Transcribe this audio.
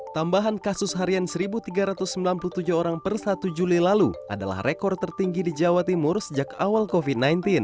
tambahan kasus harian satu tiga ratus sembilan puluh tujuh orang per satu juli lalu adalah rekor tertinggi di jawa timur sejak awal covid sembilan belas